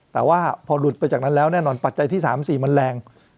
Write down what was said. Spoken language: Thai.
แต่ว่าพอหลุดไปจากนั้นแล้วแน่นอนปัจจัยที่๓๔มันแรง